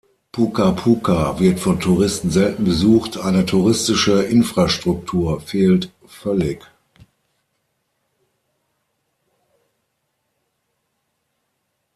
Puka-Puka wird von Touristen selten besucht, eine touristische Infrastruktur fehlt völlig.